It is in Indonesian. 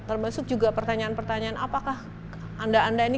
termasuk juga pertanyaan pertanyaan apakah anda anda ini